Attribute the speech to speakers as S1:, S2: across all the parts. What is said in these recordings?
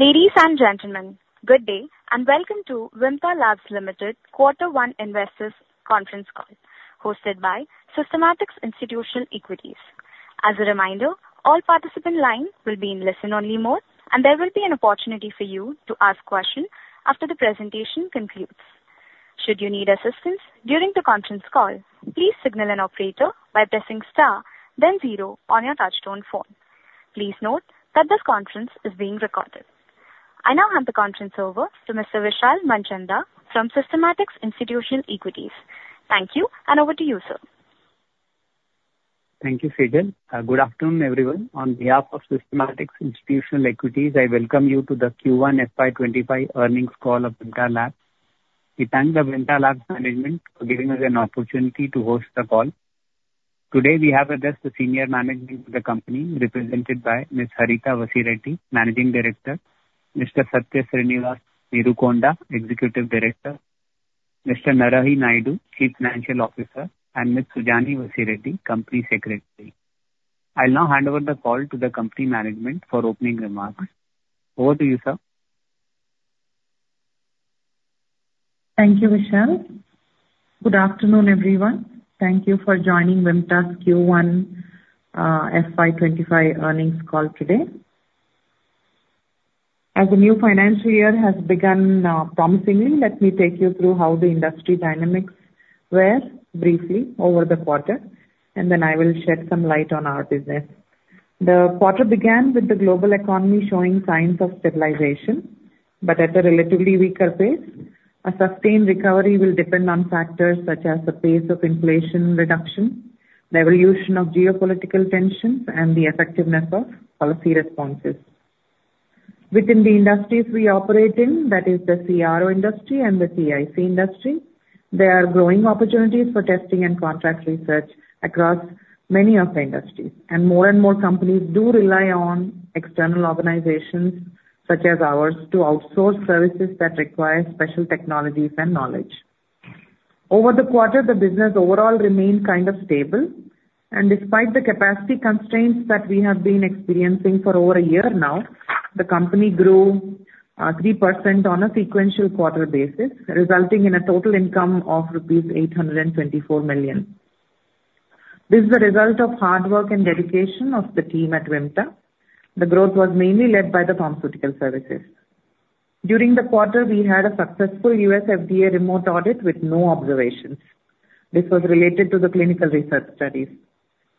S1: Ladies and gentlemen, good day, and welcome to Vimta Labs Limited quarter one investors conference call, hosted by Systematix Institutional Equities. As a reminder, all participant line will be in listen-only mode, and there will be an opportunity for you to ask questions after the presentation concludes. Should you need assistance during the conference call, please signal an operator by pressing star then zero on your touchtone phone. Please note that this conference is being recorded. I now hand the conference over to Mr. Vishal Manchanda from Systematix Institutional Equities. Thank you, and over to you, sir.
S2: Thank you, Sejal. Good afternoon, everyone. On behalf of Systematix Institutional Equities, I welcome you to the Q1 FY 2025 earnings call of Vimta Labs. We thank the Vimta Labs management for giving us an opportunity to host the call. Today, we have with us the senior management of the company, represented by Ms. Harita Vasireddi, Managing Director, Mr. Satya Sreenivas Neerukonda, Executive Director, Mr. Narahari Naidu, Chief Financial Officer, and Ms. Sujani Vasireddi, Company Secretary. I'll now hand over the call to the company management for opening remarks. Over to you, sir.
S3: Thank you, Vishal. Good afternoon, everyone. Thank you for joining Vimta's Q1 FY 2025 earnings call today. As the new financial year has begun promisingly, let me take you through how the industry dynamics were briefly over the quarter, and then I will shed some light on our business. The quarter began with the global economy showing signs of stabilization, but at a relatively weaker pace. A sustained recovery will depend on factors such as the pace of inflation reduction, the evolution of geopolitical tensions, and the effectiveness of policy responses. Within the industries we operate in, that is the CRO industry and the TIC industry, there are growing opportunities for testing and contract research across many of the industries, and more and more companies do rely on external organizations, such as ours, to outsource services that require special technologies and knowledge. Over the quarter, the business overall remained kind of stable, and despite the capacity constraints that we have been experiencing for over a year now, the company grew 3% on a sequential quarter basis, resulting in a total income of rupees 824 million. This is a result of hard work and dedication of the team at Vimta. The growth was mainly led by the pharmaceutical services. During the quarter, we had a successful U.S. FDA remote audit with no observations. This was related to the clinical research studies.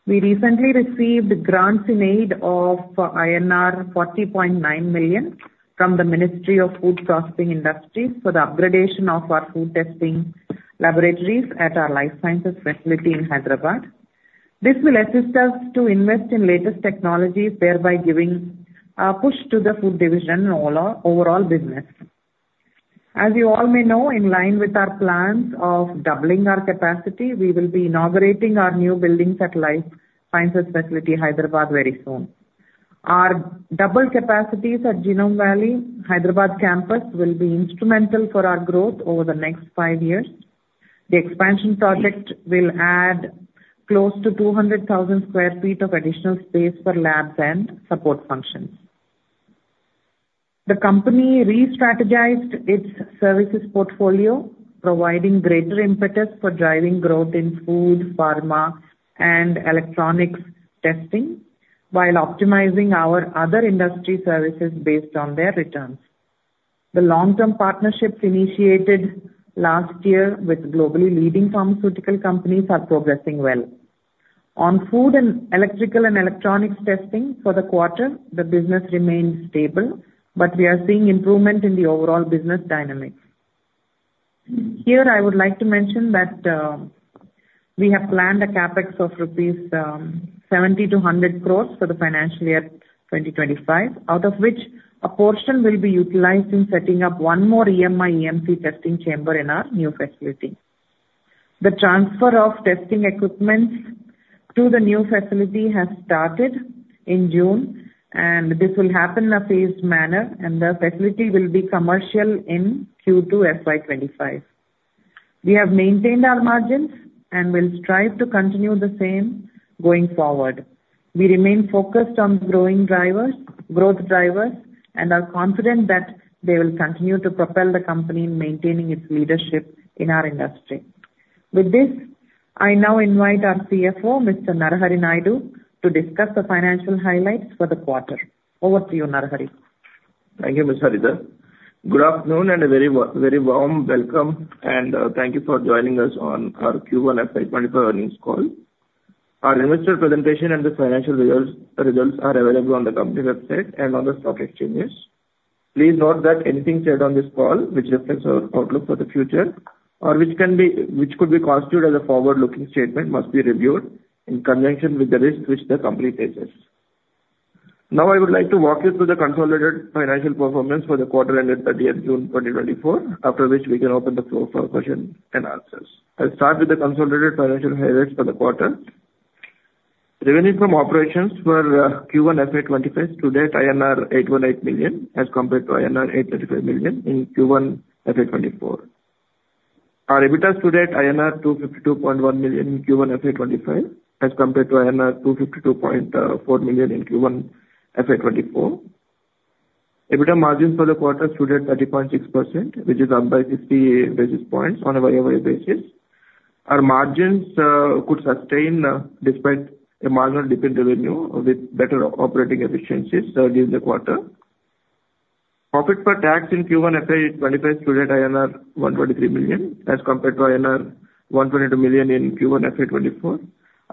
S3: We recently received grants in aid of INR 40.9 million from the Ministry of Food Processing Industries for the upgradation of our food testing laboratories at our life sciences facility in Hyderabad. This will assist us to invest in latest technologies, thereby giving a push to the food division and all our overall business. As you all may know, in line with our plans of doubling our capacity, we will be inaugurating our new buildings at Life Sciences Facility, Hyderabad, very soon. Our double capacities at Genome Valley, Hyderabad campus, will be instrumental for our growth over the next five years. The expansion project will add close to 200,000 sq ft of additional space for labs and support functions. The company restrategized its services portfolio, providing greater impetus for driving growth in food, pharma, and electronics testing, while optimizing our other industry services based on their returns. The long-term partnerships initiated last year with globally leading pharmaceutical companies are progressing well. On food and electrical and electronics testing for the quarter, the business remains stable, but we are seeing improvement in the overall business dynamics. Here, I would like to mention that, we have planned a CapEx of 70-100 crore rupees for the financial year 2025, out of which a portion will be utilized in setting up one more EMI/EMC testing chamber in our new facility. The transfer of testing equipments to the new facility has started in June, and this will happen in a phased manner, and the facility will be commercial in Q2 FY 2025. We have maintained our margins and will strive to continue the same going forward. We remain focused on growing drivers, growth drivers, and are confident that they will continue to propel the company in maintaining its leadership in our industry. With this, I now invite our CFO, Mr. Narahari Naidu, to discuss the financial highlights for the quarter. Over to you, Narahari.
S4: Thank you, Ms. Haritha. Good afternoon, and a very warm welcome, and thank you for joining us on our Q1 FY 2025 earnings call. Our investor presentation and the financial results are available on the company website and on the stock exchanges. Please note that anything said on this call which affects our outlook for the future or which could be constituted as a forward-looking statement, must be reviewed in conjunction with the risks which the company faces. Now, I would like to walk you through the consolidated financial performance for the quarter ended 30 June 2024, after which we can open the floor for questions and answers. I'll start with the consolidated financial highlights for the quarter. Revenue from operations for Q1 FY 2025 to date INR 818 million, as compared to INR 835 million in Q1 FY 2024. Our EBITDA stood at INR 252.1 million in Q1 FY 2025, as compared to INR 252.4 million in Q1 FY 2024. EBITDA margins for the quarter stood at 30.6%, which is up by fifty basis points on a year-over-year basis. Our margins could sustain despite a marginal dip in revenue with better operating efficiencies during the quarter. Profit before tax in Q1 FY 2025 stood at INR 1.3 million, as compared to INR 1.2 million in Q1 FY 2024,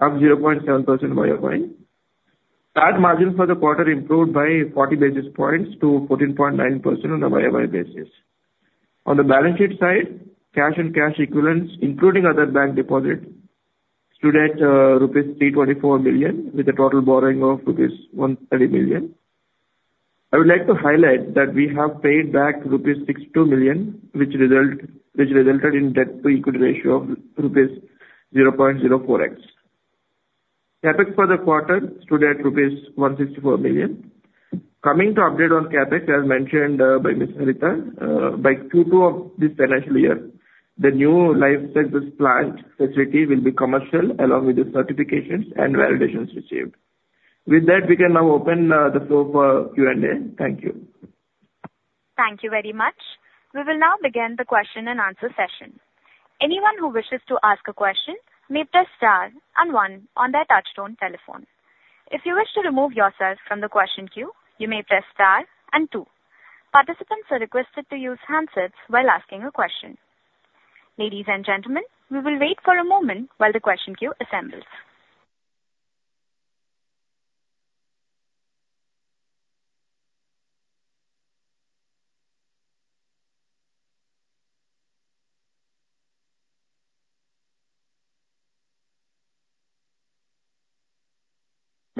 S4: up 0.7% year-over-year. Tax margin for the quarter improved by forty basis points to 14.9% on a year-over-year basis. On the balance sheet side, cash and cash equivalents, including other bank deposits, stood at rupees 324 million, with a total borrowing of rupees 120 million. I would like to highlight that we have paid back rupees 62 million, which resulted in debt to equity ratio of 0.04x. CapEx for the quarter stood at rupees 164 million. Coming to update on CapEx, as mentioned, by Ms. Harita, by Q2 of this financial year, the new life sciences plant facility will be commercial, along with the certifications and validations received. With that, we can now open the floor for Q&A. Thank you.
S1: Thank you very much. We will now begin the question and answer session. Anyone who wishes to ask a question may press star and one on their touchtone telephone. If you wish to remove yourself from the question queue, you may press star and two. Participants are requested to use handsets while asking a question. Ladies and gentlemen, we will wait for a moment while the question queue assembles.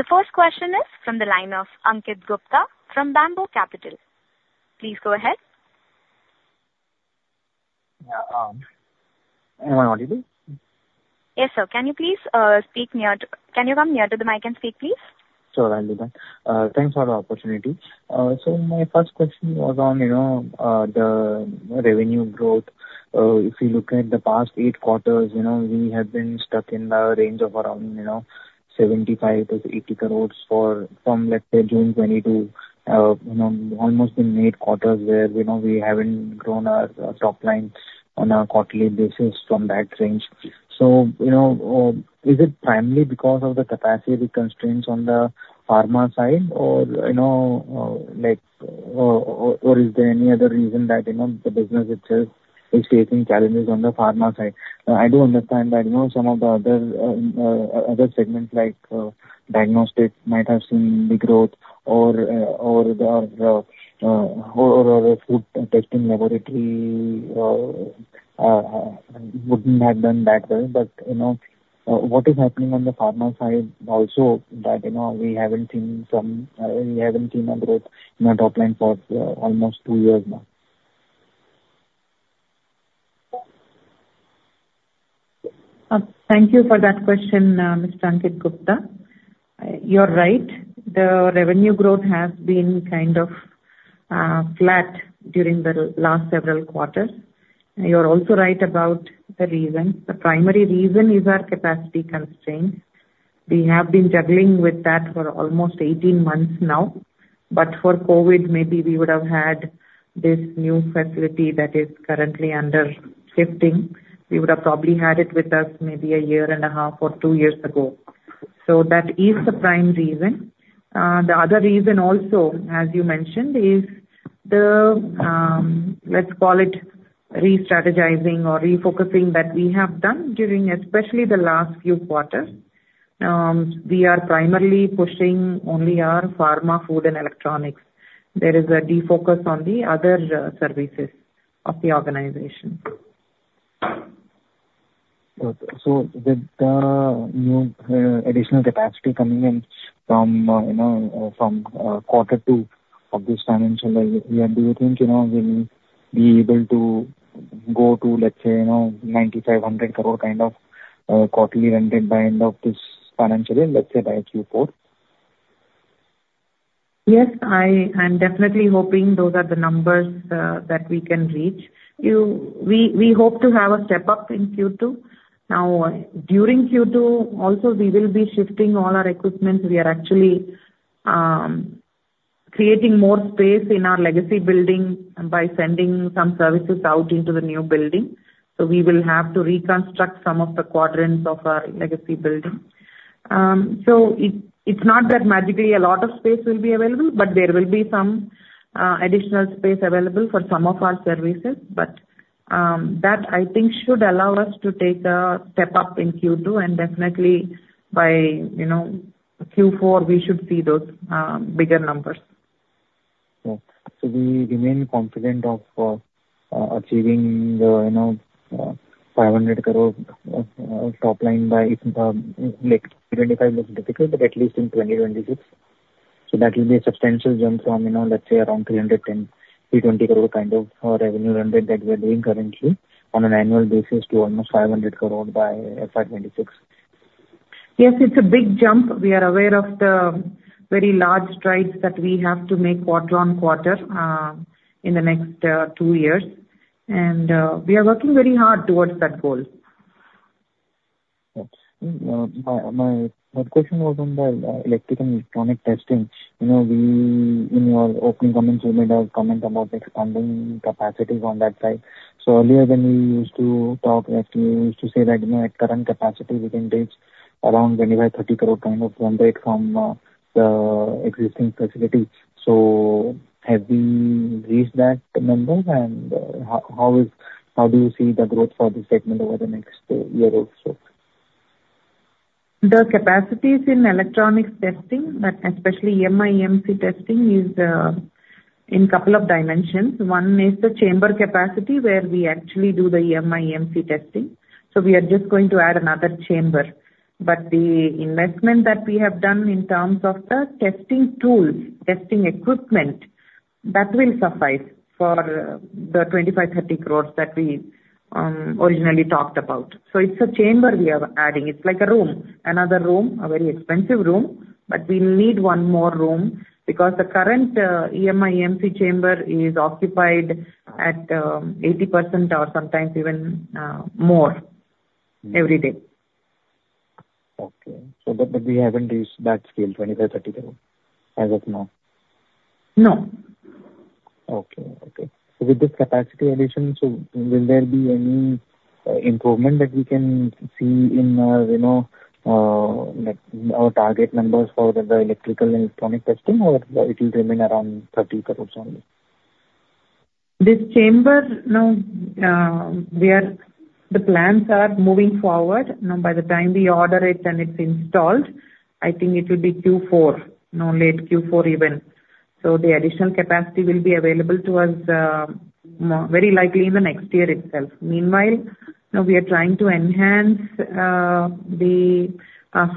S1: The first question is from the line of Ankit Gupta from Bamboo Capital. Please go ahead.
S5: Yeah, am I audible?
S1: Yes, sir. Can you please, speak near to... Can you come near to the mic and speak, please?
S5: Sure, I'll do that. Thanks for the opportunity. So my first question was on, you know, the revenue growth. If you look at the past eight quarters, you know, we have been stuck in the range of around, you know, 75 crore-80 crore for, from, let's say, June 2022. You know, almost in eight quarters where, you know, we haven't grown our top line on a quarterly basis from that range. So, you know, is it primarily because of the capacity constraints on the pharma side, or, you know, like, or is there any other reason that, you know, the business itself is facing challenges on the pharma side? I do understand that, you know, some of the other segments like diagnostics might have seen the growth or the food testing laboratory wouldn't have done that well. But, you know, what is happening on the pharma side also, that, you know, we haven't seen a growth in our top line for almost two years now.
S3: Thank you for that question, Mr. Ankit Gupta. You're right, the revenue growth has been kind of flat during the last several quarters. You're also right about the reason. The primary reason is our capacity constraints. We have been juggling with that for almost 18 months now, but for COVID, maybe we would have had this new facility that is currently under shifting. We would have probably had it with us maybe a year and a half or two years ago. So that is the prime reason. The other reason also, as you mentioned, is the, let's call it restrategizing or refocusing that we have done during especially the last few quarters. We are primarily pushing only our pharma, food, and electronics. There is a defocus on the other services of the organization.
S5: Okay. So with the new additional capacity coming in from, you know, quarter two of this financial year, do you think, you know, we will be able to go to, let's say, you know, 95 crore-100 crore kind of quarterly revenue by end of this financial year, let's say by Q4?
S3: Yes, I'm definitely hoping those are the numbers that we can reach. We hope to have a step up in Q2. Now, during Q2 also, we will be shifting all our equipments. We are actually creating more space in our legacy building by sending some services out into the new building. So we will have to reconstruct some of the quadrants of our legacy building. So it's not that magically a lot of space will be available, but there will be some additional space available for some of our services. But that, I think, should allow us to take a step up in Q2, and definitely by, you know, Q4, we should see those bigger numbers.
S5: Okay. So we remain confident of achieving the, you know, 500 crore top line by, like, 2025 looks difficult, but at least in 2026. So that will be a substantial jump from, you know, let's say around 300 crore and 320 crore kind of revenue run rate that we are doing currently on an annual basis to almost 500 crore by FY 2026?...
S3: Yes, it's a big jump. We are aware of the very large strides that we have to make quarter on quarter, in the next, two years. And, we are working very hard towards that goal.
S5: Okay. My third question was on the electrical and electronic testing. You know, in your opening comments, you made a comment about expanding capacity on that side. So earlier, when we used to talk, actually, you used to say that, you know, at current capacity, we can reach around 25 crore-30 crore kind of mandate from the existing facility. So have we reached that number? And how is, how do you see the growth for this segment over the next year or so?
S3: The capacities in electronics testing, but especially EMI/EMC testing, is in couple of dimensions. One is the chamber capacity, where we actually do the EMI/EMC testing, so we are just going to add another chamber. But the investment that we have done in terms of the testing tools, testing equipment, that will suffice for the 25 crore-30 crore that we originally talked about. So it's a chamber we are adding. It's like a room, another room, a very expensive room, but we need one more room because the current EMI/EMC chamber is occupied at 80% or sometimes even more every day.
S5: Okay. So, but we haven't reached that scale, 25 crore-30 crore as of now?
S3: No.
S5: Okay. Okay. So with this capacity addition, so will there be any, improvement that we can see in, you know, like, our target numbers for the electrical and electronic testing, or it will remain around 30 crore only?
S3: This chamber, you know, we are. The plans are moving forward. You know, by the time we order it and it's installed, I think it will be Q4, you know, late Q4 even. So the additional capacity will be available to us, very likely in the next year itself. Meanwhile, now we are trying to enhance the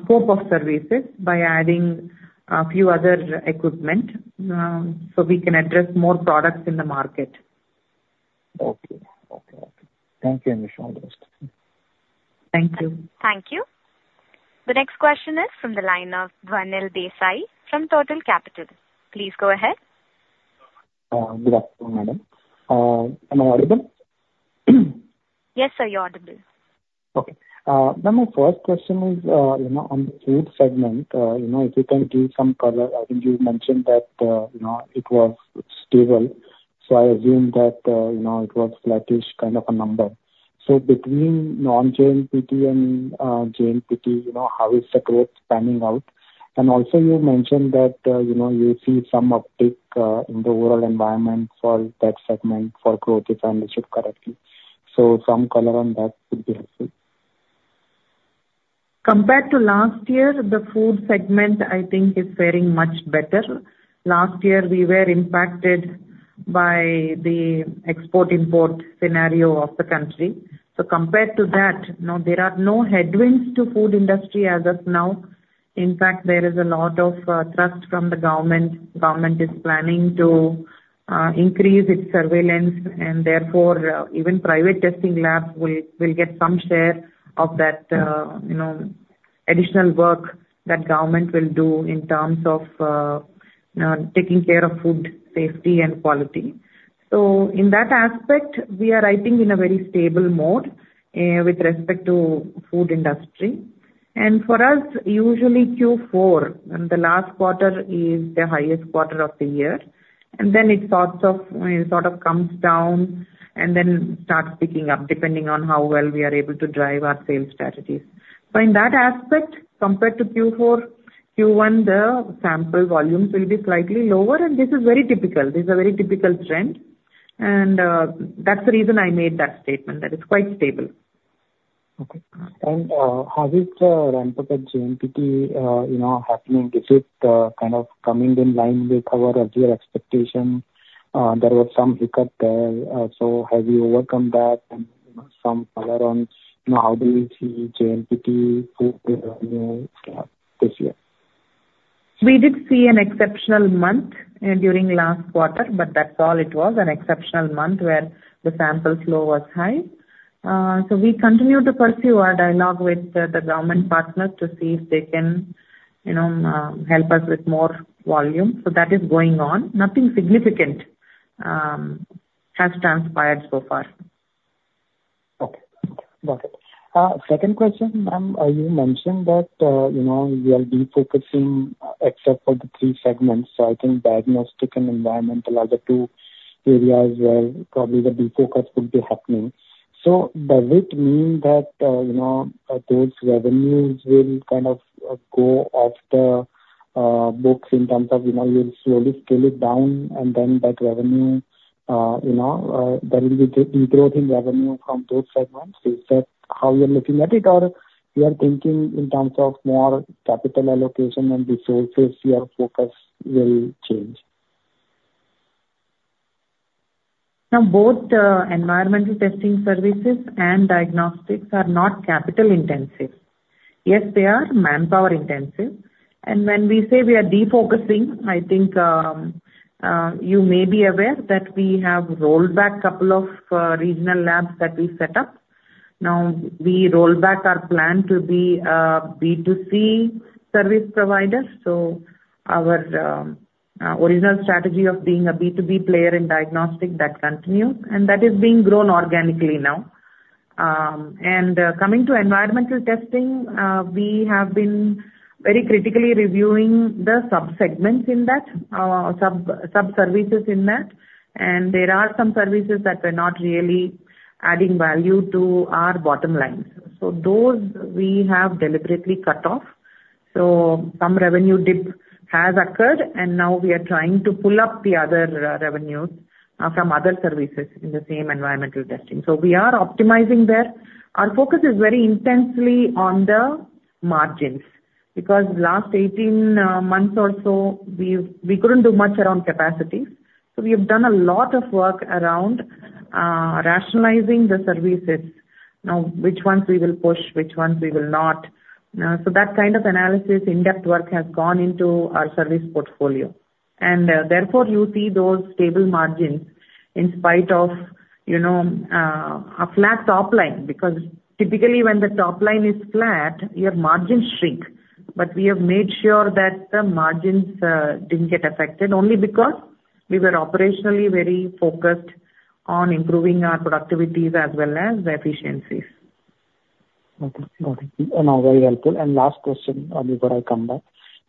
S3: scope of services by adding a few other equipment, so we can address more products in the market.
S5: Okay. Okay, okay. Thank you, Anisha. All the best.
S3: Thank you.
S1: Thank you. The next question is from the line of Dhwanil Desai from Turtle Capital. Please go ahead.
S6: Good afternoon, madam. Am I audible?
S1: Yes, sir, you're audible.
S6: Okay. Ma'am, my first question is, you know, on food segment, you know, if you can give some color. I think you mentioned that, you know, it was stable, so I assume that, you know, it was flattish kind of a number. So between non-JNPT and, JNPT, you know, how is the growth panning out? And also, you mentioned that, you know, you see some uptick, in the overall environment for that segment, for growth, if I understood correctly. So some color on that would be helpful.
S3: Compared to last year, the food segment, I think, is faring much better. Last year, we were impacted by the export-import scenario of the country. So compared to that, you know, there are no headwinds to food industry as of now. In fact, there is a lot of trust from the government. Government is planning to increase its surveillance, and therefore, even private testing labs will get some share of that, you know, additional work that government will do in terms of taking care of food safety and quality. So in that aspect, we are, I think, in a very stable mode with respect to food industry. For us, usually Q4, and the last quarter is the highest quarter of the year, and then it sorts of, sort of comes down and then starts picking up, depending on how well we are able to drive our sales strategies. But in that aspect, compared to Q4, Q1, the sample volumes will be slightly lower, and this is very typical. This is a very typical trend, and, that's the reason I made that statement, that it's quite stable.
S6: Okay. And how is ramp up at JNPT, you know, happening? Is it kind of coming in line with our as your expectation? There was some hiccup there. So have you overcome that? And, you know, some color on, you know, how do you see JNPT through this year?
S3: We did see an exceptional month during last quarter, but that's all it was, an exceptional month where the sample flow was high. So we continue to pursue our dialogue with the government partners to see if they can, you know, help us with more volume. So that is going on. Nothing significant has transpired so far.
S6: Okay. Got it. Second question, ma'am. You mentioned that, you know, we are defocusing, except for the three segments. So I think diagnostic and environmental are the two areas where probably the defocus could be happening. So does it mean that, you know, those revenues will kind of go off the books in terms of, you know, you'll slowly scale it down, and then that revenue, you know, there will be de-growth in revenue from those segments? Is that how you're looking at it, or you are thinking in terms of more capital allocation and resources, your focus will change?
S3: Now, both, environmental testing services and diagnostics are not capital intensive. Yes, they are manpower intensive. When we say we are defocusing, I think, you may be aware that we have rolled back couple of, regional labs that we set up. Now, we rolled back our plan to be a B2C service provider, so our, original strategy of being a B2B player in diagnostic, that continues, and that is being grown organically now. Coming to environmental testing, we have been very critically reviewing the sub-segments in that, sub-services in that. There are some services that were not really adding value to our bottom line, so those we have deliberately cut off. So some revenue dip has occurred, and now we are trying to pull up the other revenues from other services in the same environmental testing. So we are optimizing there. Our focus is very intensely on the margins, because last 18 months or so, we couldn't do much around capacity. So we have done a lot of work around rationalizing the services. Now, which ones we will push, which ones we will not. So that kind of analysis, in-depth work, has gone into our service portfolio. And therefore, you see those stable margins in spite of, you know, a flat top line. Because typically, when the top line is flat, your margins shrink. But we have made sure that the margins didn't get affected, only because we were operationally very focused on improving our productivities as well as the efficiencies.
S6: Okay. Got it. And now, very helpful. And last question, before I come back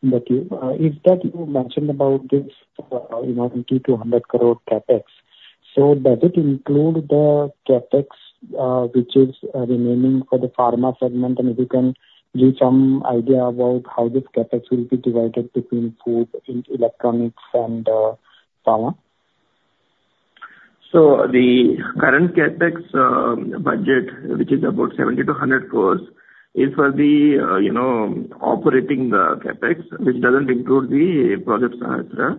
S6: to you. Is that you mentioned about this, you know, 70 crore-100 crore CapEx. So does it include the CapEx, which is, remaining for the pharma segment? And if you can give some idea about how this CapEx will be divided between food, in electronics and, pharma.
S4: So the current CapEx budget, which is about 70 crore-100 crore, is for the, you know, operating CapEx, which doesn't include the Project Sahasra.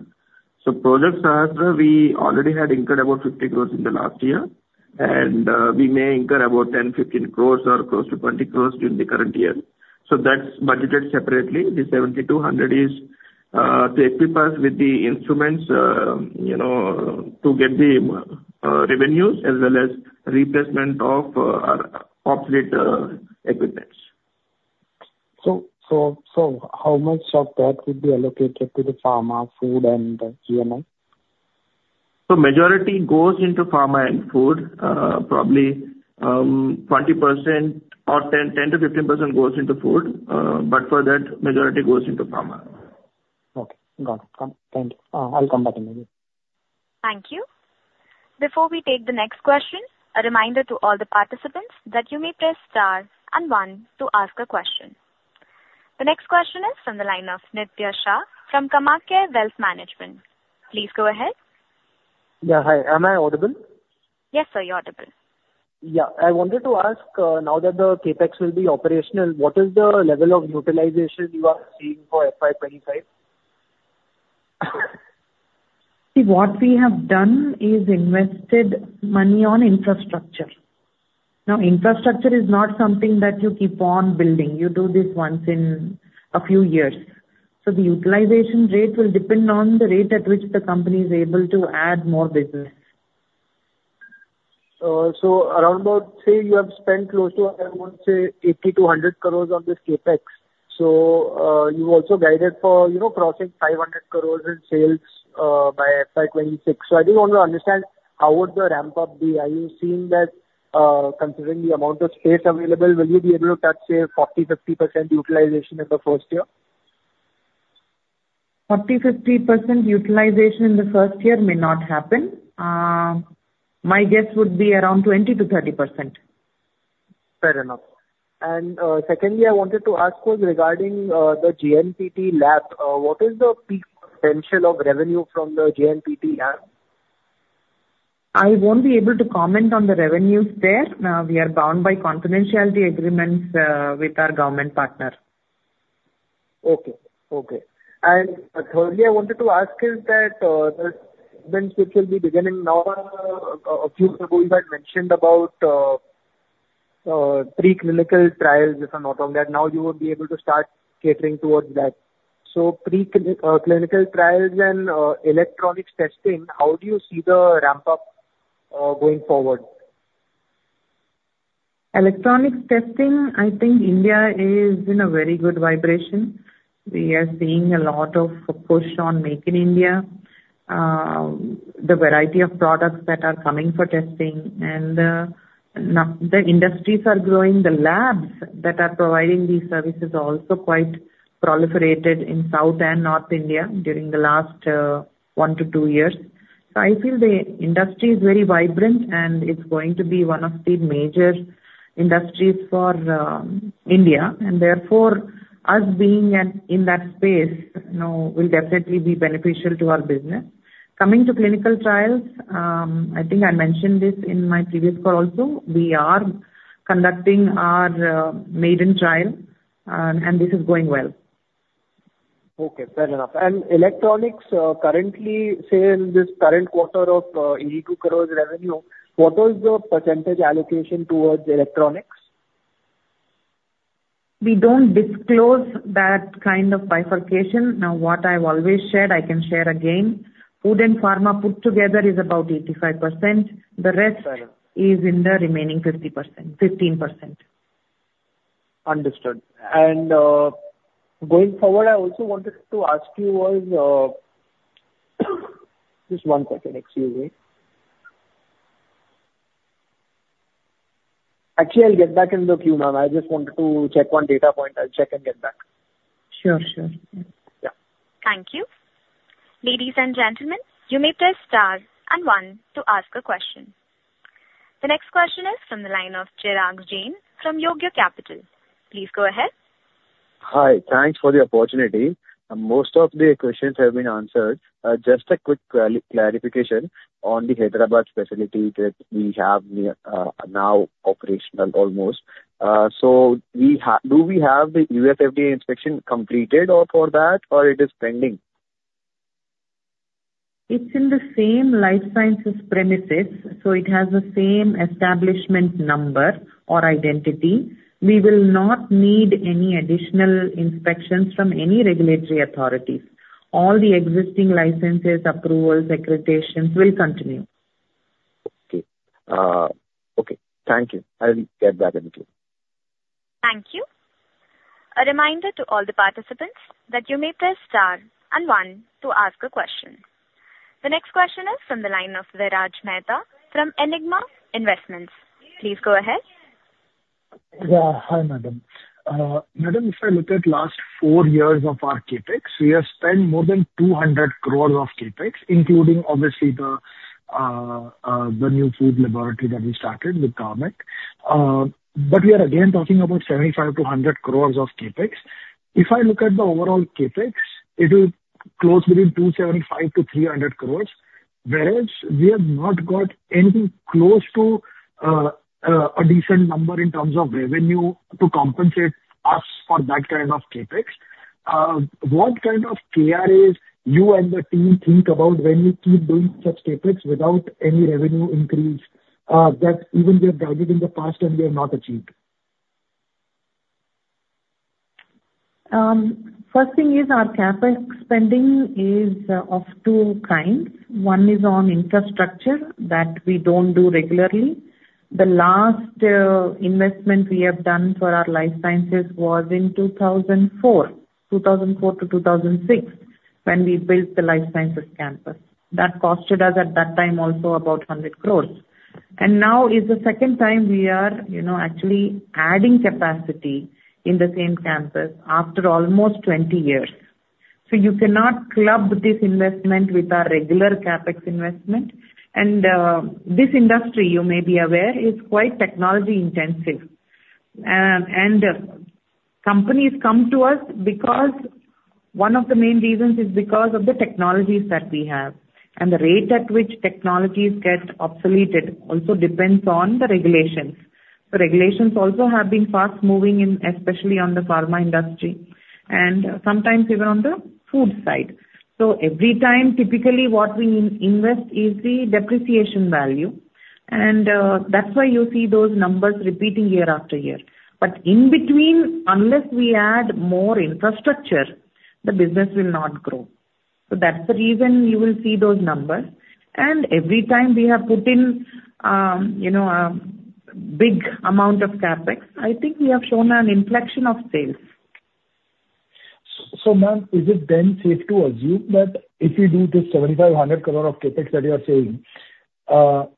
S4: So Project Sahasra, we already had incurred about 50 crore in the last year. And, we may incur about 10 crore-15 crore or close to 20 crore during the current year. So that's budgeted separately. The 70 crore-100 crore is, to equip us with the instruments, you know, to get the, revenues as well as replacement of, our obsolete, equipment.
S6: So, how much of that would be allocated to the pharma, food, and the GMI?
S4: So majority goes into pharma and food. Probably, 20% or 10, 10-15% goes into food, but for that, majority goes into pharma.
S6: Okay. Got it. Thank you. I'll come back to you.
S1: Thank you. Before we take the next question, a reminder to all the participants that you may press star and one to ask a question. The next question is from the line of Nitya Shah from KamayaKya Wealth Management. Please go ahead.
S7: Yeah, hi. Am I audible?
S1: Yes, sir, you're audible.
S7: Yeah. I wanted to ask, now that the CapEx will be operational, what is the level of utilization you are seeing for FY 2025?
S3: See, what we have done is invested money on infrastructure. Now, infrastructure is not something that you keep on building. You do this once in a few years. So the utilization rate will depend on the rate at which the company is able to add more business.
S7: So around about, say, you have spent close to around, say, 80 crore-100 crore on this CapEx. So, you also guided for, you know, crossing 500 crore in sales, by FY 2026. So I just want to understand how would the ramp-up be. Are you seeing that, considering the amount of space available, will you be able to touch, say, 40%-50% utilization in the first year?
S3: 40%-50% utilization in the first year may not happen. My guess would be around 20%-30%.
S7: Fair enough. And, secondly, I wanted to ask was regarding, the JNPT lab. What is the peak potential of revenue from the JNPT lab?
S3: I won't be able to comment on the revenues there. We are bound by confidentiality agreements with our government partner.
S7: Okay, okay. And thirdly, I wanted to ask is that the events which will be beginning now, a few ago you had mentioned about preclinical trials, if I'm not wrong, that now you would be able to start catering towards that. So preclinical trials and electronics testing, how do you see the ramp-up going forward?
S3: Electronics testing, I think India is in a very good position. We are seeing a lot of push on Make in India, the variety of products that are coming for testing and now the industries are growing. The labs that are providing these services are also quite proliferated in South and North India during the last one to two years. So I feel the industry is very vibrant, and it's going to be one of the major industries for India. And therefore, us being at in that space, you know, will definitely be beneficial to our business. Coming to clinical trials, I think I mentioned this in my previous call also. We are conducting our maiden trial, and this is going well.
S7: Okay, fair enough. And electronics, currently, say, in this current quarter of 82 crore revenue, what was the percentage allocation towards electronics?...
S3: We don't disclose that kind of bifurcation. Now, what I've always shared, I can share again. Food and pharma put together is about 85%. The rest-
S7: Right.
S3: -is in the remaining 50%, 15%.
S7: Understood. Going forward, I also wanted to ask you was, just one second. Excuse me. Actually, I'll get back in the queue, ma'am. I just wanted to check one data point. I'll check and get back.
S3: Sure, sure.
S7: Yeah.
S1: Thank you. Ladies and gentlemen, you may press star and one to ask a question. The next question is from the line of Chirag Jain from Yogya Capital. Please go ahead.
S8: Hi. Thanks for the opportunity. Most of the questions have been answered. Just a quick clarification on the Hyderabad facility that we have nearly operational now almost. So we have— Do we have the U.S. FDA inspection completed or for that, or it is pending?
S3: It's in the same life sciences premises, so it has the same establishment number or identity. We will not need any additional inspections from any regulatory authorities. All the existing licenses, approvals, accreditations will continue.
S8: Okay. Okay. Thank you. I'll get back in the queue.
S1: Thank you. A reminder to all the participants that you may press star and one to ask a question. The next question is from the line of Viraj Mehta from Enigma Investments. Please go ahead.
S9: Yeah. Hi, madam. Madam, if I look at last four years of our CapEx, we have spent more than 200 crore of CapEx, including obviously the, the new food laboratory that we started with Garmec. But we are again talking about 75 crore -100 crore of CapEx. If I look at the overall CapEx, it will close within 275 crore-300 crore, whereas we have not got anything close to, a decent number in terms of revenue to compensate us for that kind of CapEx. What kind of KRAs you and the team think about when you keep doing such CapEx without any revenue increase, that even we have guided in the past and we have not achieved?
S3: First thing is our CapEx spending is of two kinds. One is on infrastructure that we don't do regularly. The last investment we have done for our life sciences was in 2004, 2004 to 2006, when we built the life sciences campus. That costed us at that time also about 100 crore. And now is the second time we are, you know, actually adding capacity in the same campus after almost 20 years. So you cannot club this investment with our regular CapEx investment. And this industry, you may be aware, is quite technology intensive. And companies come to us because one of the main reasons is because of the technologies that we have, and the rate at which technologies get obsoleted also depends on the regulations. The regulations also have been fast moving in, especially on the pharma industry, and sometimes even on the food side. So every time, typically what we in-invest is the depreciation value, and that's why you see those numbers repeating year after year. But in between, unless we add more infrastructure, the business will not grow. So that's the reason you will see those numbers. And every time we have put in, you know, a big amount of CapEx, I think we have shown an inflection of sales.
S9: So, ma'am, is it then safe to assume that if you do this 7,500 crore of CapEx that you are saying,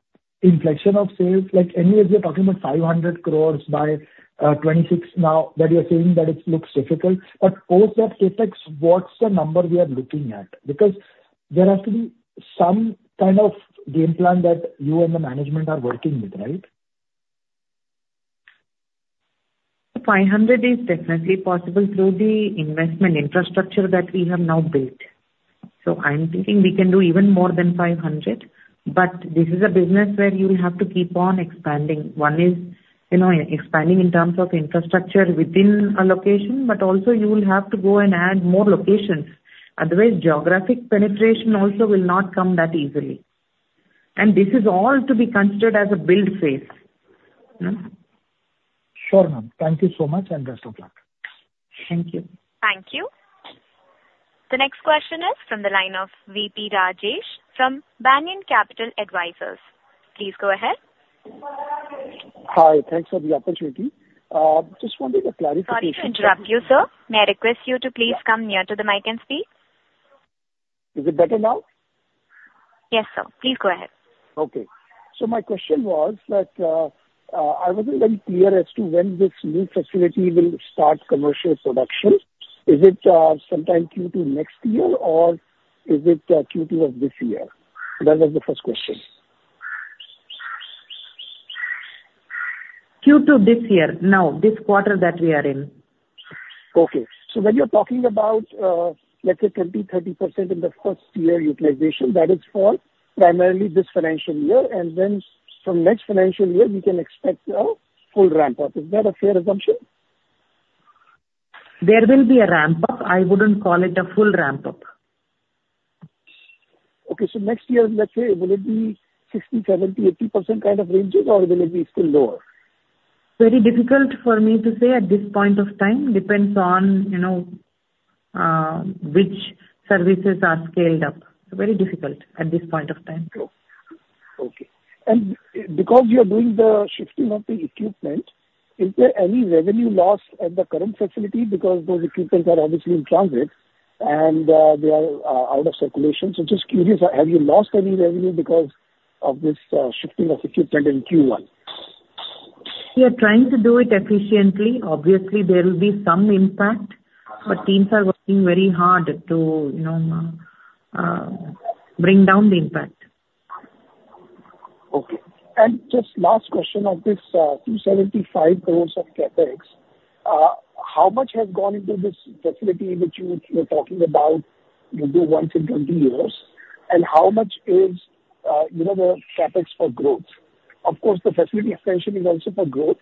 S9: inflection of sales, like, anyways, we are talking about 500 crore by 2026 now, that you are saying that it looks difficult. But post that CapEx, what's the number we are looking at? Because there has to be some kind of game plan that you and the management are working with, right?
S3: 500 crore is definitely possible through the investment infrastructure that we have now built. So I'm thinking we can do even more than 500 crore, but this is a business where you will have to keep on expanding. One is, you know, expanding in terms of infrastructure within a location, but also you will have to go and add more locations. Otherwise, geographic penetration also will not come that easily. And this is all to be considered as a build phase. Hmm?
S9: Sure, ma'am. Thank you so much, and best of luck.
S3: Thank you.
S1: Thank you. The next question is from the line of V.P. Rajesh from Banyan Capital Advisors. Please go ahead.
S10: Hi. Thanks for the opportunity. Just wanted a clarification-
S1: Sorry to interrupt you, sir. May I request you to please come near to the mic and speak?
S10: Is it better now?
S1: Yes, sir. Please go ahead.
S10: Okay. My question was that, I wasn't very clear as to when this new facility will start commercial production. Is it, sometime Q2 next year, or is it, Q2 of this year? That was the first question.
S3: Q2 this year. Now, this quarter that we are in.
S10: Okay. So when you're talking about, let's say 20%-30% in the first year utilization, that is for primarily this financial year, and then from next financial year, we can expect a full ramp up. Is that a fair assumption?
S3: There will be a ramp up. I wouldn't call it a full ramp up....
S10: Okay, so next year, let's say, will it be 60, 70, 80% kind of ranges, or will it be still lower?
S3: Very difficult for me to say at this point of time. Depends on, you know, which services are scaled up. Very difficult at this point of time.
S10: Sure. Okay. And because you are doing the shifting of the equipment, is there any revenue loss at the current facility? Because those equipments are obviously in transit, and they are out of circulation. So just curious, have you lost any revenue because of this, shifting of equipment in Q1?
S3: We are trying to do it efficiently. Obviously, there will be some impact, but teams are working very hard to, you know, bring down the impact.
S10: Okay. Just last question on this, 275 crore of CapEx, how much has gone into this facility which you, you were talking about, you'll do once in 20 years? And how much is, you know, the CapEx for growth? Of course, the facility expansion is also for growth,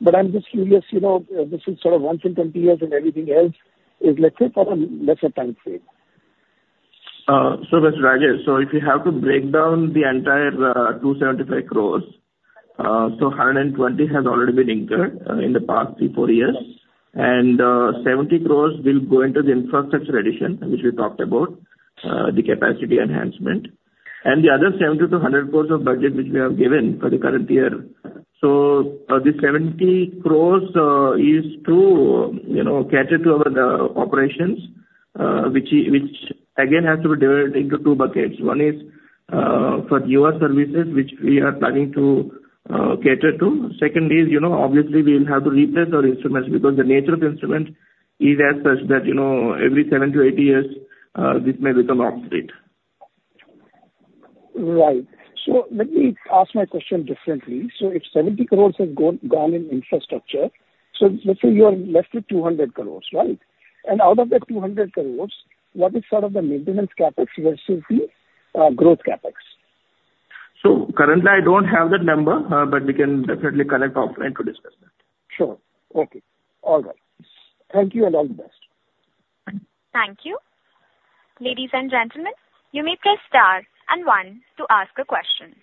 S10: but I'm just curious, you know, this is sort of once in 20 years, and everything else is, let's say, for a lesser time frame.
S4: So that's Rajesh. So if you have to break down the entire 275 crore crore, so 120 crore has already been incurred in the past three, four years. And 70 crore will go into the infrastructure addition, which we talked about, the capacity enhancement. And the other 70 crore-100 crore of budget, which we have given for the current year. So the 70 crore is to, you know, cater to our operations, which again, has to be divided into two buckets. One is for U.S. services, which we are planning to cater to. Second is, you know, obviously, we will have to replace our instruments, because the nature of the instrument is as such that, you know, every seven to eight years, this may become obsolete.
S10: Right. So let me ask my question differently. So if 70 crore has gone in infrastructure, so let's say you are left with 200 crore, right? And out of that 200 crore, what is sort of the maintenance CapEx versus the growth CapEx?
S4: Currently, I don't have that number, but we can definitely connect offline to discuss that.
S10: Sure. Okay. All right. Thank you, and all the best.
S1: Thank you. Ladies and gentlemen, you may press star and one to ask a question.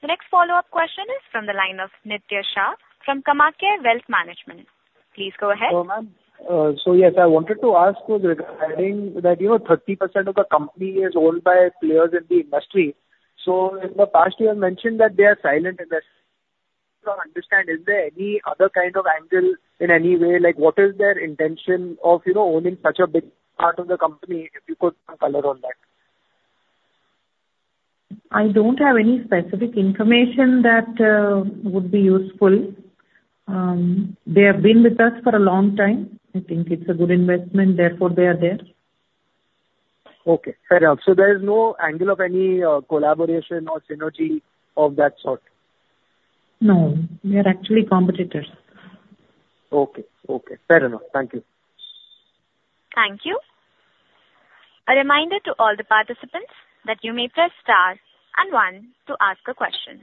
S1: The next follow-up question is from the line of Nitya Shah from KamayaKya Wealth Management. Please go ahead.
S7: So, ma'am, so yes, I wanted to ask regarding that, you know, 30% of the company is owned by players in the industry. So in the past you have mentioned that they are silent investors. To understand, is there any other kind of angle in any way, like, what is their intention of, you know, owning such a big part of the company? If you put some color on that.
S3: I don't have any specific information that would be useful. They have been with us for a long time. I think it's a good investment, therefore they are there.
S7: Okay, fair enough. So there is no angle of any, collaboration or synergy of that sort?
S3: No, they are actually competitors.
S7: Okay. Okay, fair enough. Thank you.
S1: Thank you. A reminder to all the participants that you may press star and one to ask a question.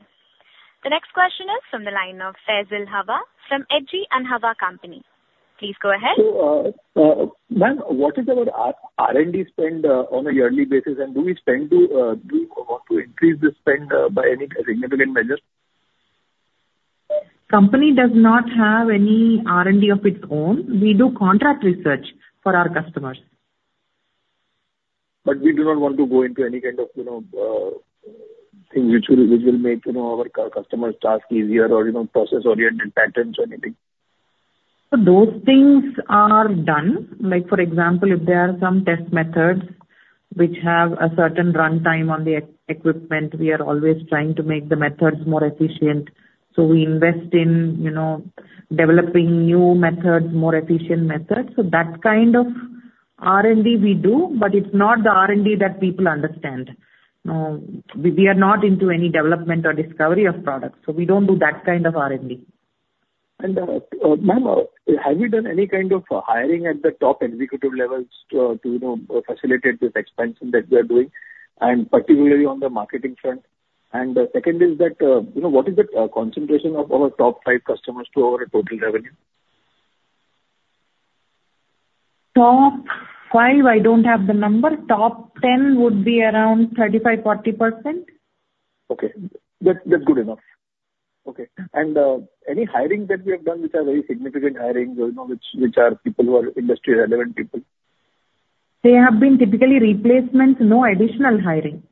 S1: The next question is from the line of Faisal Hawa from H.G. Hawa & Co. Please go ahead.
S11: So, ma'am, what is our R&D spend on a yearly basis, and do you want to increase the spend by any significant measure?
S3: Company does not have any R&D of its own. We do contract research for our customers.
S11: But we do not want to go into any kind of, you know, things which will make, you know, our customers' task easier or, you know, process-oriented patterns or anything?
S3: So those things are done. Like, for example, if there are some test methods which have a certain runtime on the equipment, we are always trying to make the methods more efficient. So we invest in, you know, developing new methods, more efficient methods. So that kind of R&D we do, but it's not the R&D that people understand. We are not into any development or discovery of products, so we don't do that kind of R&D.
S11: Ma'am, have you done any kind of hiring at the top executive levels to you know facilitate this expansion that we are doing, and particularly on the marketing front? Second is that, you know, what is the concentration of our top five customers to our total revenue?
S3: Top five, I don't have the number. Top 10 would be around 35%-40%.
S11: Okay. That's good enough. Okay, and any hiring that we have done, which are very significant hiring, you know, which are people who are industry-relevant people?
S3: They have been typically replacements, no additional hiring.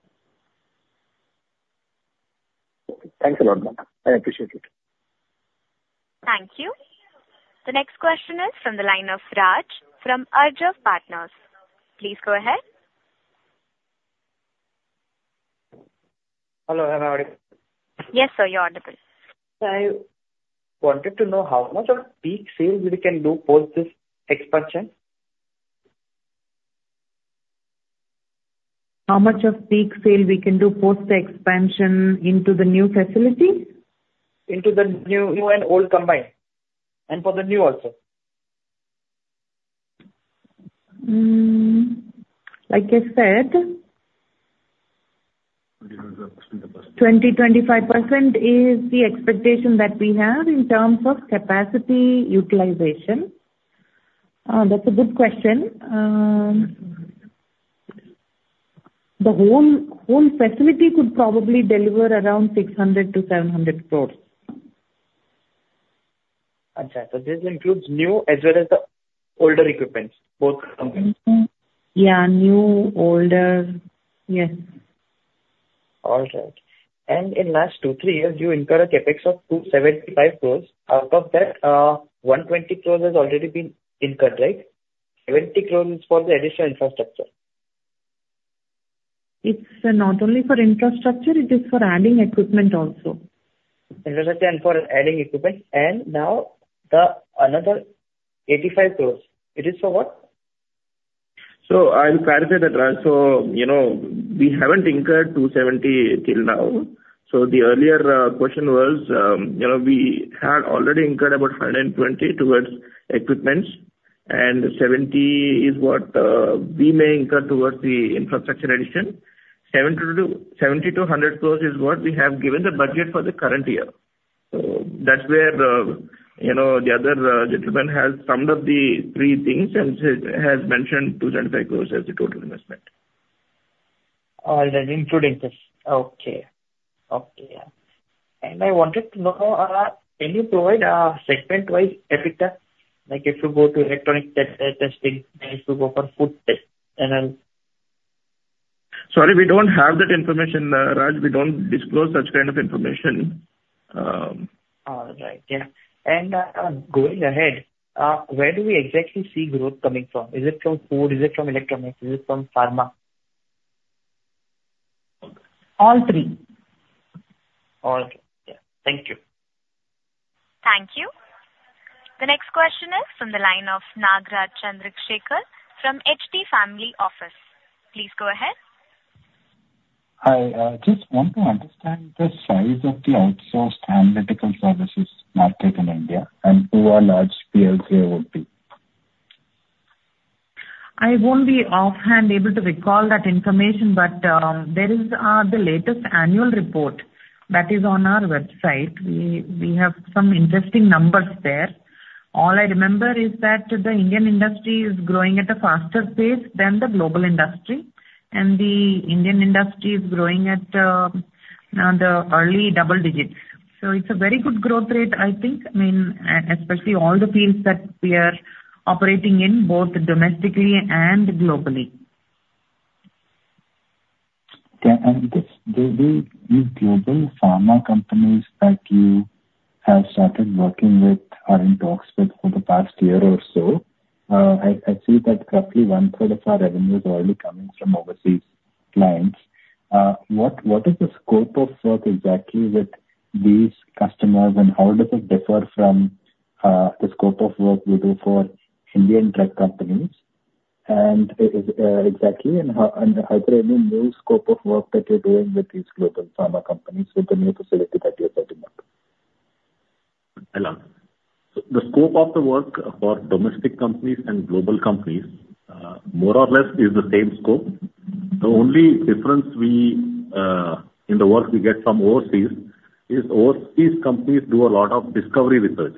S11: Okay. Thanks a lot, ma'am. I appreciate it.
S1: Thank you. The next question is from the line of Raj from Arjav Partners. Please go ahead.
S12: Hello, am I audible?
S1: Yes, sir, you're audible.
S12: I wanted to know how much of peak sales we can do post this expansion?
S3: How much of peak sale we can do post the expansion into the new facility?
S12: Into the new, new and old combined, and for the new also.
S3: Like I said-
S4: 25%.
S3: 25% is the expectation that we have in terms of capacity utilization. That's a good question. The whole facility could probably deliver around 600 crore-700 crore.
S12: Okay. This includes new as well as the older equipments, both combined?
S3: Mm-hmm. Yeah. New, older, yes.
S12: All right. In last two, three years, you incurred a CapEx of 275 crore. Out of that, 120 crore has already been incurred, right? 70 crore is for the additional infrastructure.
S3: It's not only for infrastructure, it is for adding equipment also.
S12: Infrastructure and for adding equipment, and now then another 85 crore, it is for what?
S4: So I'll clarify that, Raj. So, you know, we haven't incurred 270 crore till now. So the earlier question was, you know, we had already incurred about 120 crore towards equipment, and 70 crore is what we may incur towards the infrastructure addition. 70 crore-100 crore is what we have given the budget for the current year. So that's where, you know, the other gentleman has summed up the three things and said, has mentioned 275 crore as the total investment.
S12: All right. Including this. Okay. Okay, yeah. And I wanted to know, can you provide segment-wise CapEx? Like if you go to electronic test, testing, and if you go for food test, and then-
S4: Sorry, we don't have that information, Raj. We don't disclose such kind of information.
S12: All right, yeah. And, going ahead, where do we exactly see growth coming from? Is it from food? Is it from electronics? Is it from pharma?
S3: All three.
S12: All three. Yeah. Thank you.
S1: Thank you. The next question is from the line of Nagaraj Chandrashekar from HDFC Family Office. Please go ahead.
S13: Hi. Just want to understand the size of the outsourced analytical services market in India, and who our large PLK would be.
S3: I won't be offhand able to recall that information, but, there is, the latest annual report that is on our website. We, we have some interesting numbers there. All I remember is that the Indian industry is growing at a faster pace than the global industry, and the Indian industry is growing at, the early double digits. So it's a very good growth rate, I think. I mean, especially all the fields that we are operating in, both domestically and globally.
S13: Yeah, and these global pharma companies that you have started working with or in talks with for the past year or so, I see that roughly one-third of our revenue is already coming from overseas clients. What is the scope of work exactly with these customers, and how does it differ from the scope of work you do for Indian drug companies? And exactly, and are there any new scope of work that you're doing with these global pharma companies with the new facility that you're setting up?
S14: Hello. So the scope of the work for domestic companies and global companies, more or less is the same scope. The only difference we, in the work we get from overseas is overseas companies do a lot of discovery research.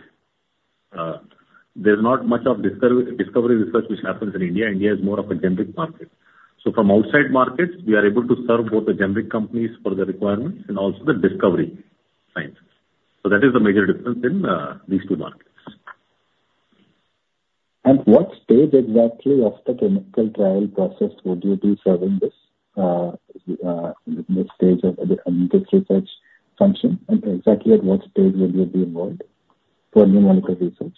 S14: There's not much of discovery research which happens in India. India is more of a generic market. So from outside markets, we are able to serve both the generic companies for their requirements and also the discovery science. So that is the major difference in, these two markets.
S13: What stage exactly of the clinical trial process would you be serving this next stage of the research function? Exactly at what stage will you be involved for a new molecule research?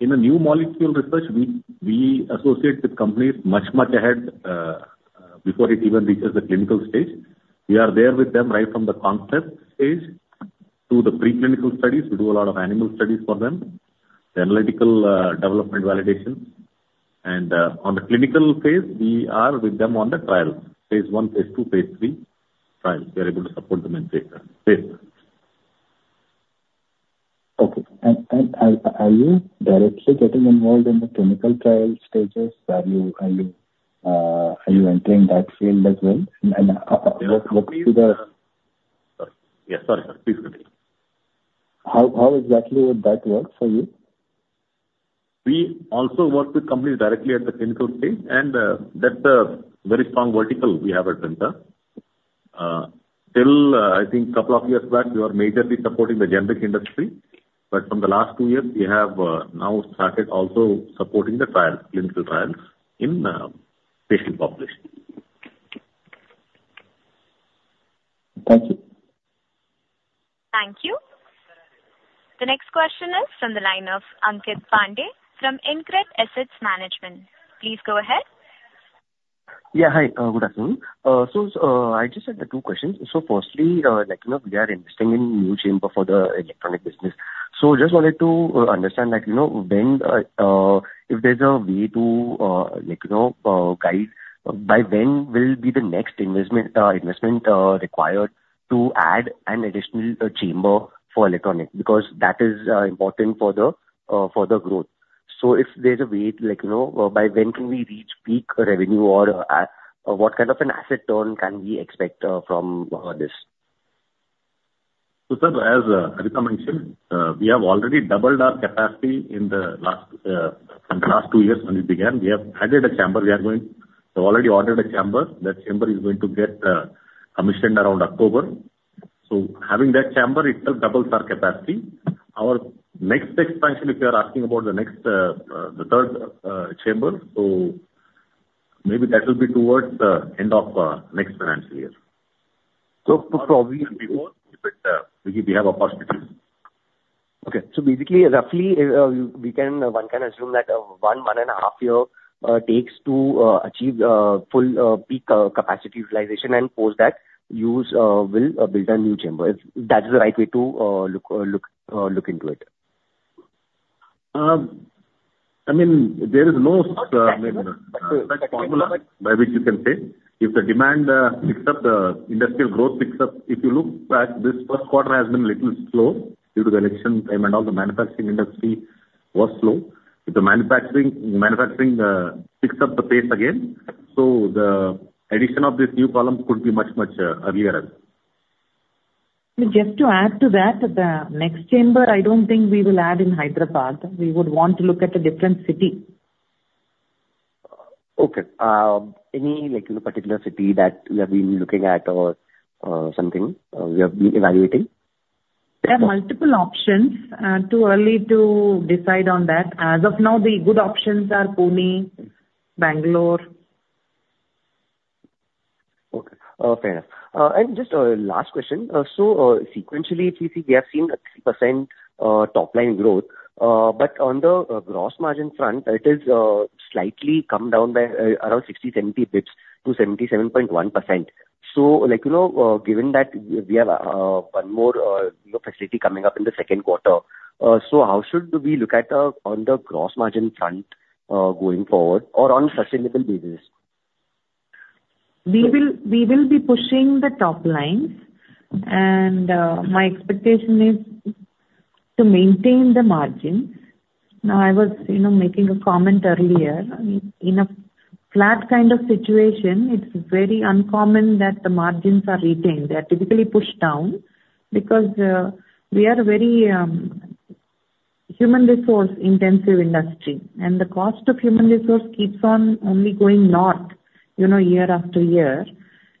S14: In a new molecule research, we associate with companies much, much ahead before it even reaches the clinical stage. We are there with them right from the concept stage to the preclinical studies. We do a lot of animal studies for them, the analytical, development validation. And, on the clinical phase, we are with them on the trial, phase one, phase two, phase three trial. We are able to support them in phase, phase.
S13: Okay. And are you directly getting involved in the clinical trial stages? Are you entering that field as well? And what would be the-
S14: Sorry. Yeah, sorry, sir. Please repeat.
S13: How exactly would that work for you?
S14: We also work with companies directly at the clinical stage, and that's a very strong vertical we have at Vimta. Till I think couple of years back, we were majorly supporting the generic industry, but from the last two years, we have now started also supporting the trials, clinical trials in patient population.
S13: Thank you.
S1: Thank you. The next question is from the line of Ankeet Pandya from InCred Asset Management. Please go ahead.
S15: Yeah, hi. Good afternoon. So, I just have the two questions. So firstly, like, you know, we are investing in new chamber for the electronic business. So just wanted to understand, like, you know, when, if there's a way to, like, you know, guide, by when will be the next investment, investment, required to add an additional chamber for electronic? Because that is important for the growth. So if there's a way to, like, you know, by when can we reach peak revenue or, what kind of an asset turn can we expect, from this?...
S14: So sir, as Haritha mentioned, we have already doubled our capacity in the last two years when we began. We have added a chamber. We've already ordered a chamber. That chamber is going to get commissioned around October. So having that chamber, it doubles our capacity. Our next expansion, if you are asking about the next, the third chamber, so maybe that will be towards the end of next financial year. So before, if it, we have opportunity.
S15: Okay. So basically, roughly, we can, one can assume that, one and a half year takes to achieve full peak capacity utilization, and post that, you's will build a new chamber, if that is the right way to look into it?
S14: I mean, there is no set formula by which you can say. If the demand picks up, the industrial growth picks up. If you look at this first quarter has been a little slow due to the election time and all, the manufacturing industry was slow. If the manufacturing picks up the pace again, so the addition of this new column could be much, much earlier on.
S3: Just to add to that, the next chamber, I don't think we will add in Hyderabad. We would want to look at a different city.
S15: Okay. Any like particular city that you have been looking at or, something, we have been evaluating?
S3: There are multiple options. Too early to decide on that. As of now, the good options are Pune, Bangalore.
S15: Okay, fair enough. Just a last question. So, sequentially, we see, we have seen a 3% top line growth. But on the gross margin front, it is slightly come down by around 60-70 basis points to 77.1%. So, like, you know, given that we have one more, you know, facility coming up in the second quarter, so how should we look at on the gross margin front going forward or on sustainable basis?
S3: We will, we will be pushing the top line, and my expectation is to maintain the margin. Now, I was, you know, making a comment earlier. In a flat kind of situation, it's very uncommon that the margins are retained. They are typically pushed down because we are a very human resource intensive industry, and the cost of human resource keeps on only going north, you know, year after year.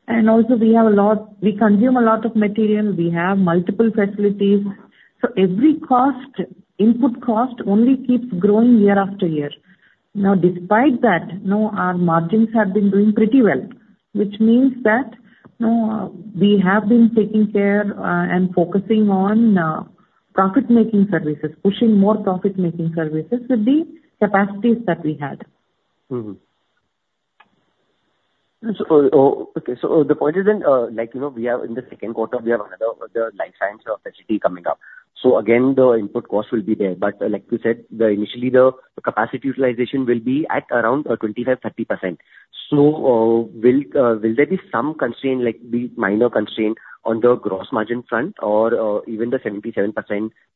S3: And also, we consume a lot of material. We have multiple facilities. So every cost, input cost, only keeps growing year after year. Now, despite that, you know, our margins have been doing pretty well, which means that, you know, we have been taking care and focusing on profit-making services, pushing more profit-making services with the capacities that we had.
S15: Mm-hmm. So, oh, okay, so, the point is then, like, you know, we have in the second quarter, we have another, life science facility coming up. So again, the input cost will be there. But like you said, the initially, the capacity utilization will be at around, 25%-30%. So, will, will there be some constraint, like be minor constraint on the gross margin front or, even the 77%,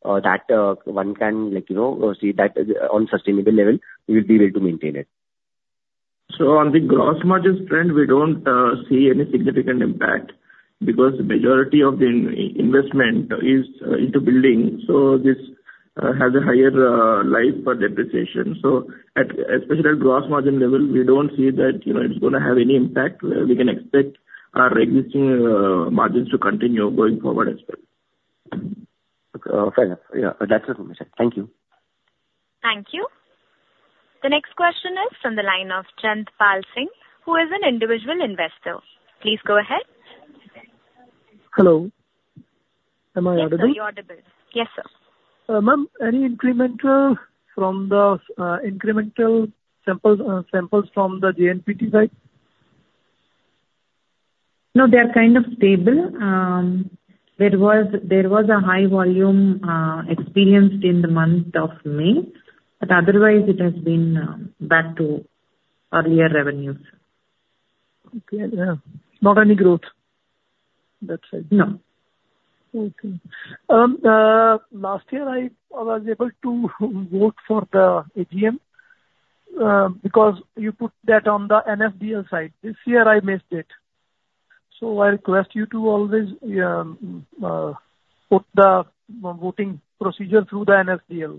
S15: that, one can, like, you know, see that on sustainable level, we will be able to maintain it?
S4: So on the gross margin front, we don't see any significant impact because majority of the investment is into building, so this has a higher life for depreciation. So, especially at gross margin level, we don't see that, you know, it's going to have any impact. We can expect our existing margins to continue going forward as well.
S15: Okay, fair enough. Yeah, that's it from my side. Thank you.
S1: Thank you. The next question is from the line of Chand Pal Singh, who is an individual investor. Please go ahead.
S16: Hello. Am I audible?
S1: Yes, sir, you're audible. Yes, sir.
S16: Ma'am, any incremental from the incremental samples, samples from the JNPT side?
S3: No, they are kind of stable. There was a high volume experienced in the month of May, but otherwise it has been back to earlier revenues.
S16: Okay. Yeah. Not any growth, that's it?
S3: No.
S16: Okay. Last year, I, I was able to vote for the AGM, because you put that on the NSDL site. This year I missed it, so I request you to always put the voting procedure through the NSDL.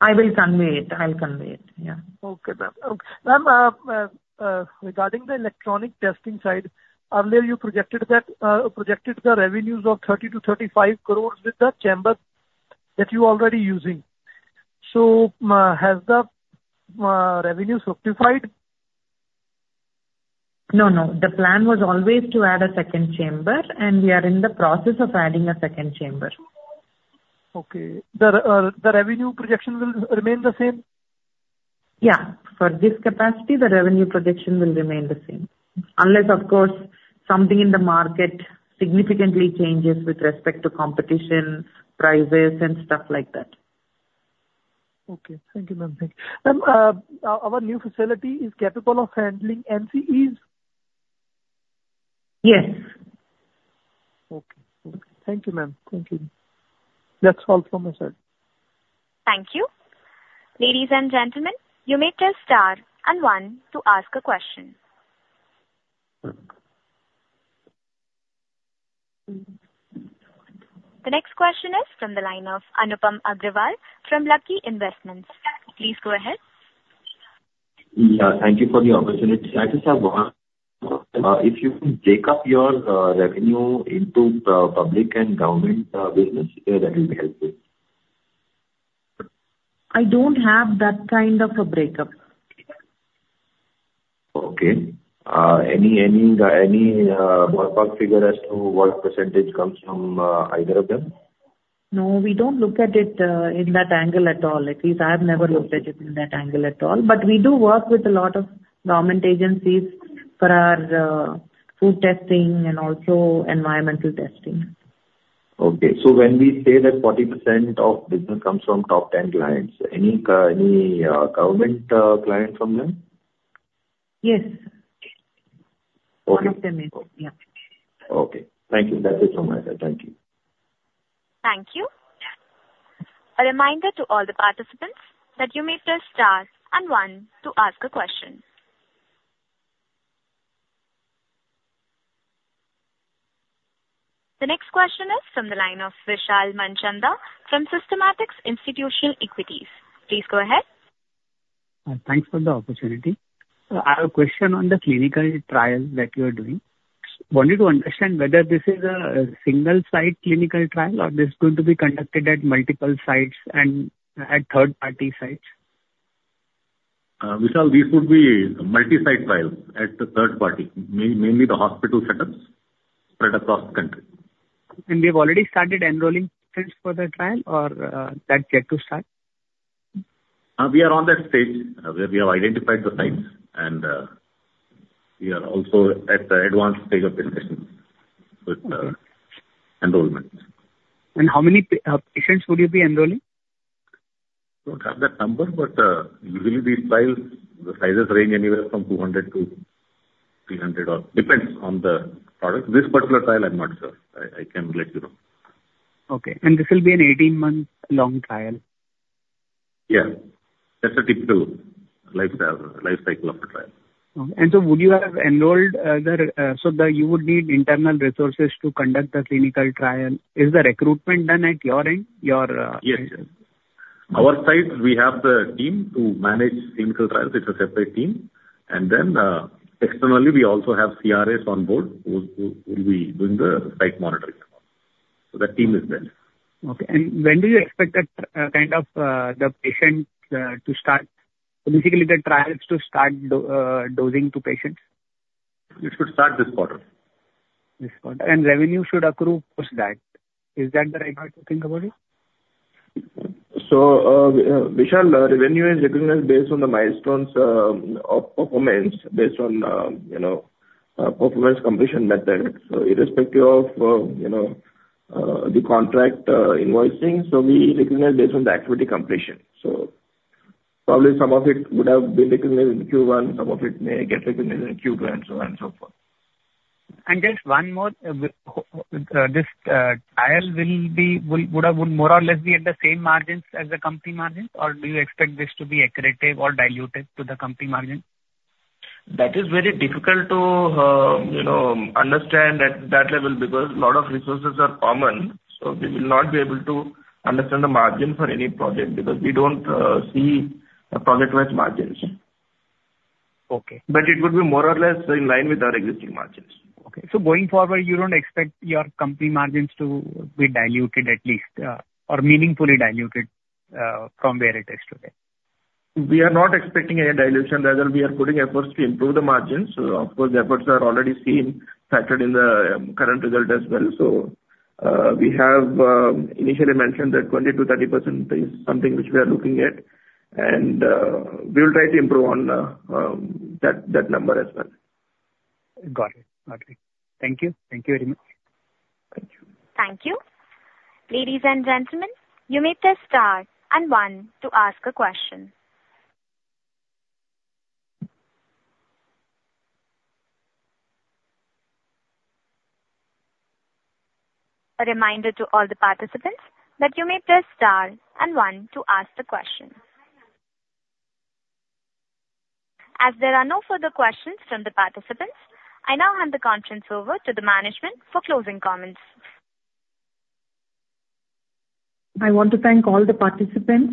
S3: I will convey it. I'll convey it, yeah.
S16: Okay, ma'am. Ma'am, regarding the electronic testing side, earlier you projected that, projected the revenues of 30 crore-35 crore with the chamber that you're already using. So, has the revenue solidified?
S3: No, no. The plan was always to add a second chamber, and we are in the process of adding a second chamber.
S16: Okay. The revenue projection will remain the same?
S3: Yeah. For this capacity, the revenue projection will remain the same, unless, of course, something in the market significantly changes with respect to competition, prices, and stuff like that.
S16: Okay. Thank you, ma'am. Thank you. Ma'am, our new facility is capable of handling NCEs?
S3: Yes.
S16: Okay. Thank you, ma'am. Thank you. That's all from my side....
S1: Thank you. Ladies and gentlemen, you may press star and one to ask a question. The next question is from the line of Anupam Agarwal from Lucky Investments. Please go ahead.
S17: Yeah, thank you for the opportunity. I just have one. If you can break up your revenue into public and government business, that will be helpful.
S3: I don't have that kind of a breakup.
S17: Okay. Any ballpark figure as to what percentage comes from either of them?
S3: No, we don't look at it in that angle at all. At least I've never looked at it in that angle at all. But we do work with a lot of government agencies for our food testing and also environmental testing.
S17: Okay. So when we say that 40% of business comes from top 10 clients, any government clients from them?
S3: Yes.
S17: Okay.
S3: One of them is, yeah.
S17: Okay, thank you. That's it from my side. Thank you.
S1: Thank you. A reminder to all the participants, that you may press star and one to ask a question. The next question is from the line of Vishal Manchanda from Systematix Institutional Equities. Please go ahead.
S2: Thanks for the opportunity. So I have a question on the clinical trial that you are doing. Wanted to understand whether this is a single-site clinical trial, or this is going to be conducted at multiple sites and at third-party sites?
S14: Vishal, this would be multi-site trial at the third party, mainly the hospital setups spread across the country.
S2: You've already started enrolling patients for the trial or, that's yet to start?
S14: We are on that stage where we have identified the sites, and we are also at the advanced stage of discussions with enrollment.
S2: How many patients will you be enrolling?
S14: Don't have that number, but, usually these trials, the sizes range anywhere from 200 to 300, or depends on the product. This particular trial, I'm not sure. I, I can let you know.
S2: Okay. And this will be an 18-month long trial?
S14: Yeah, that's the typical life cycle of the trial.
S2: Okay. And so would you have enrolled? So you would need internal resources to conduct the clinical trial. Is the recruitment done at your end, your end?
S14: Yes. Our site, we have the team to manage clinical trials. It's a separate team. And then, externally, we also have CROs on board, who will be doing the site monitoring. So that team is there.
S2: Okay. And when do you expect that kind of the patient to start, basically the trials to start dosing to patients?
S14: It should start this quarter.
S2: This quarter. Revenue should accrue post that. Is that the right way to think about it?
S4: So, Vishal, revenue is recognized based on the milestones of performance, based on, you know, performance completion method. So irrespective of, you know, the contract, invoicing, so we recognize based on the activity completion. So probably some of it would have been recognized in Q1, some of it may get recognized in Q2, and so on and so forth.
S2: And just one more, this trial would more or less be at the same margins as the company margins? Or do you expect this to be accretive or dilutive to the company margin?
S4: That is very difficult to, you know, understand at that level, because a lot of resources are common, so we will not be able to understand the margin for any project, because we don't see project-wide margins.
S2: Okay.
S4: It would be more or less in line with our existing margins.
S2: Okay. So going forward, you don't expect your company margins to be diluted at least, or meaningfully diluted, from where it is today?
S4: We are not expecting any dilution, rather we are putting efforts to improve the margins. So of course, the efforts are already seen, factored in the current result as well. So, we have initially mentioned that 20%-30% is something which we are looking at, and we will try to improve on that number as well.
S2: Got it. Got it. Thank you. Thank you very much.
S4: Thank you.
S1: Thank you. Ladies and gentlemen, you may press star and one to ask a question. A reminder to all the participants, that you may press star and one to ask the question. As there are no further questions from the participants, I now hand the conference over to the management for closing comments.
S3: I want to thank all the participants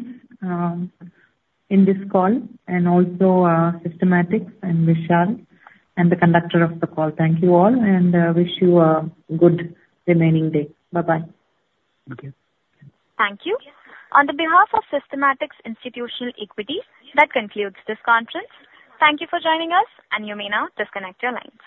S3: in this call, and also, Systematix and Vishal, and the conductor of the call. Thank you all, and wish you a good remaining day. Bye-bye.
S2: Okay.
S1: Thank you. On behalf of Systematix Institutional Equities, that concludes this conference. Thank you for joining us, and you may now disconnect your lines.